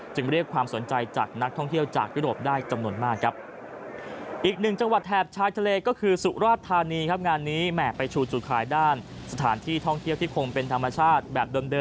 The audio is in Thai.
เรียกความสนใจจากนักท่องเที่ยวจากยุโรปได้จำนวนมากครับ